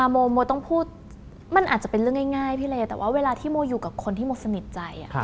โมโมต้องพูดมันอาจจะเป็นเรื่องง่ายพี่เลแต่ว่าเวลาที่โมอยู่กับคนที่โมสนิทใจ